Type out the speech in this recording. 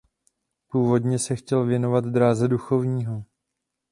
Původně se chtěl věnovat dráze duchovního.